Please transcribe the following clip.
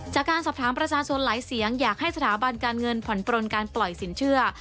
จากการสอบถามประชาชนหลายเสียงอยากให้สถาบันการเงินผ่อนปลนการปล่อยสินเชื่อ